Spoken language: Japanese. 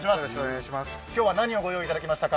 今日は何をご用意いただきましたか？